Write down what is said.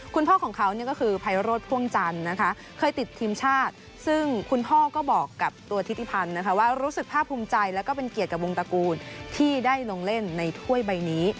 คุณพ่อของเขาก็คือไพโรธพ่วงจันทร์นะคะเคยติดทีมชาติซึ่งคุณพ่อก็บอกกับตัวธิติพันธ์นะคะว่ารู้สึกภาพภูมิใจแล้วก็เป็นเกียรติกับวงตระกูลที่ได้ลงเล่นในถ้วยใบนี้